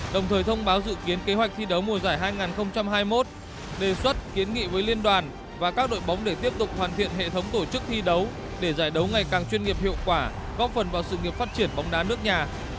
đồng thời thông báo dự kiến kế hoạch thi đấu mùa giải hai nghìn hai mươi một đề xuất kiến nghị với liên đoàn và các đội bóng để tiếp tục hoàn thiện hệ thống tổ chức thi đấu để giải đấu ngày càng chuyên nghiệp hiệu quả góp phần vào sự nghiệp phát triển bóng đá nước nhà